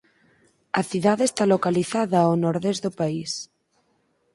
A cidade está localizada ao nordés do país.